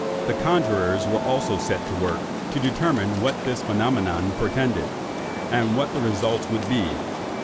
The conjurers were also set to work, to determine what this phenomenon portended, and what the result would be.